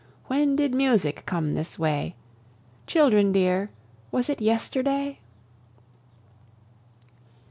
When did music come this way? Children dear, was it yesterday?